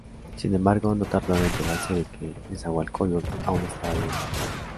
Sin embargo, no tardó en enterarse de que Nezahualcóyotl aún estaba vivo.